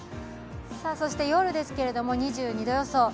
そして夜ですけれども、２２度予想。